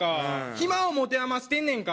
暇を持て余してんねんか。